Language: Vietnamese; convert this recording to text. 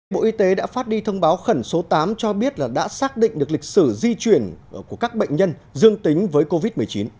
bộ y tế đã phát đi thông báo khẩn số tám cho biết là đã xác định được lịch sử di chuyển của các bệnh nhân dương tính với covid một mươi chín